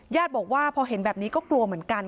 ญาติบอกว่าพอเห็นแบบนี้ก็กลัวเหมือนกัน